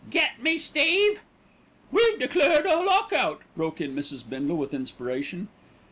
Get me, Steve?" "We've declared a lock out," broke in Mrs. Bindle with inspiration.